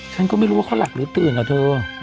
ฉันก็ไม่รู้ว่าเขาหลับหรือตื่นอะเธอ